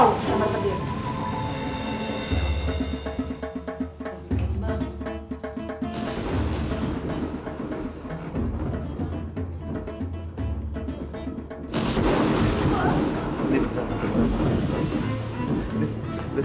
mau disambar pedih